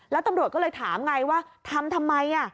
แล้วตำรวจก็เลยถามไงว่าทำทำไม